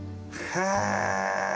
へえ！